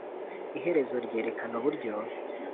iherezo ryerekana uburyo